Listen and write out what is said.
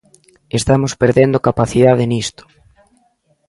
Estamos perdendo capacidade nisto.